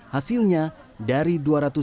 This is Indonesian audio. hasilnya dari dua ratus tujuh puluh empat